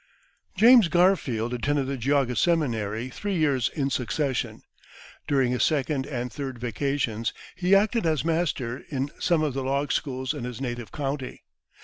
James Garfield attended the Geauga Seminary three years in succession. During his second and third vacations he acted as master in some of the log schools in his native county.